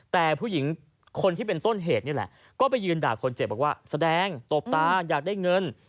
แต่ผู้หญิงคนที่เป็นต้นเหตุนี่แหละก็ไปยืนด่าคนเจ็บบอกว่าแสดงตบตาอยากได้เงิน